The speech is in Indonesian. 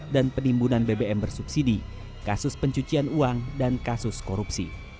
dan penimbunan bbm bersubsidi kasus pencucian uang dan kasus korupsi